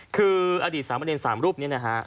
คืออดีตสามประเด็นสามรูปเนี่ยนะฮะ